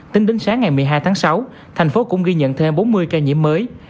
tính đến sáng ngày một mươi hai tháng sáu thành phố cũng ghi nhận thêm bốn mươi ca nhiễm mới